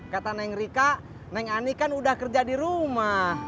kata neng rika neng ani kan udah kerja di rumah